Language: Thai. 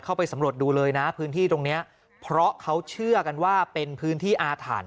เข้าไปสำรวจดูเลยนะพื้นที่ตรงเนี้ยเพราะเขาเชื่อกันว่าเป็นพื้นที่อาถรรพ์